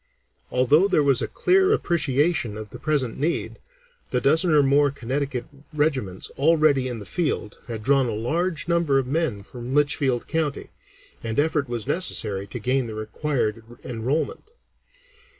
Although there was a clear appreciation of the present need, the dozen or more Connecticut regiments already in the field had drawn a large number of men from Litchfield County, and effort was necessary to gain the required enrollment.